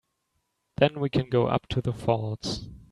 Then we can go up to the falls.